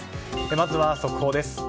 まずは速報です。